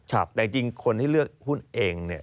แต่จริงคนที่เลือกหุ้นเองเนี่ย